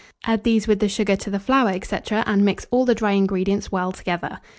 Add these with the sugar to the flour, &c., and mix all the dry ingredients well together.